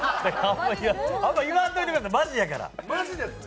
言わんといてください、マジやから。